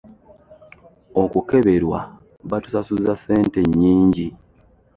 Okukeberwa batusasuza ssente nnyingi.